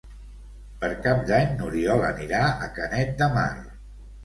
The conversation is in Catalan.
Per Cap d'Any n'Oriol anirà a Canet de Mar.